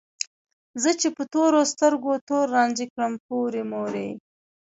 زه چې په تورو سترګو تور رانجه کړم پورې مورې